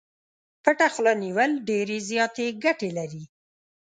پټه خوله نيول ډېرې زياتې ګټې لري.